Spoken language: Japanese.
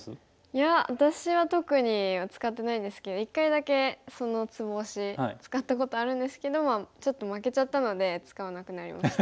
いや私は特には使ってないですけど一回だけそのツボ押し使ったことあるんですけどちょっと負けちゃったので使わなくなりました。